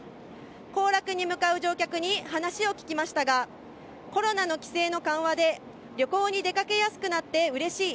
行楽に向かう乗客に話を伺いましたが、コロナの規制の緩和で旅行に出かけやすくなってうれしい、